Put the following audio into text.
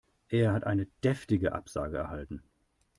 Er hat eine deftige Absage erhalten.